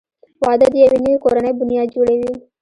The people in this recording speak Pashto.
• واده د یوې نوې کورنۍ بنیاد جوړوي.